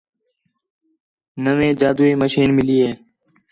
نویں جادوئی مشین ملی ہے